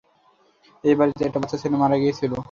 এই বাড়িতে একটা বাচ্চা ছেলে মারা গিয়েছিল, আপনার মনে আছে?